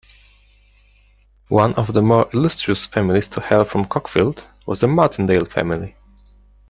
One of the more illustrious families to hail from Cockfield was the Martindale family.